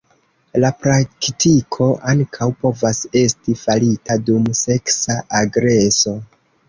La praktiko ankaŭ povas esti farita dum seksa agreso.